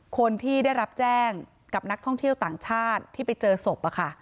คนที่ได้รับแจ้งกับนักท่องเที่ยวต่างชาติที่ไปเจอศพ